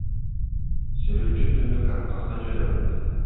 Сүрөтчү Түндүк Кавказга жөнөгөн.